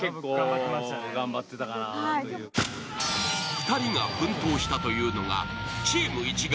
２人が奮闘したというのがチーム一丸！